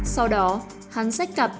sau đó hắn sách cặp